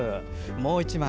もう１枚。